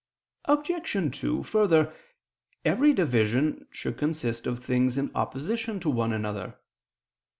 Obj. 2: Further, every division should consist of things in opposition to one another.